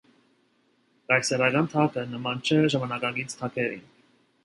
Կայսերական թագը նման չէ ժամանակակից թագերին։